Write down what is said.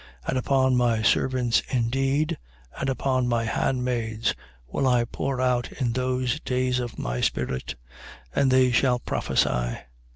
2:18. And upon my servants indeed and upon my handmaids will I pour out in those days of my spirit: and they shall prophesy.